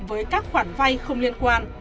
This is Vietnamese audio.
với các khoản vay không liên quan